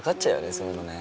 そういうのね。